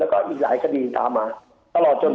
และอีกหลายคดีตามมาตลอด